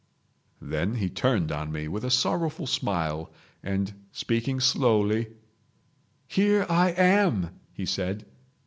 Then he turned on me with a sorrowful smile, and, speaking slowly; "Here I am!" he said.